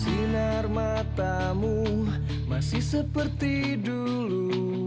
sinar matamu masih seperti dulu